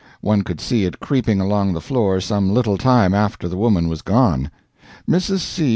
One could see it creeping along the floor some little time after the woman was gone. Mrs. C.